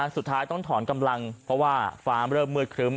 สุดท้ายต้องถอนกำลังเพราะว่าฟ้าเริ่มมืดครึ้ม